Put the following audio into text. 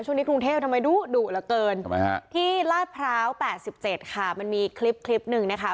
ช่วงนี้กรุงเทพทำไมดุเหลือเกินที่ราชพร้าว๘๗ค่ะมันมีอีกคลิปนึงนะคะ